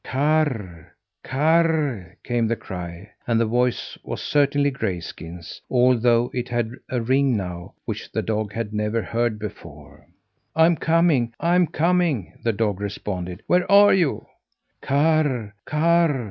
"Karr, Karri" came the cry, and the voice was certainly Grayskin's, although it had a ring now which the dog had never heard before. "I'm coming, I'm coming!" the dog responded. "Where are you?" "Karr, Karr!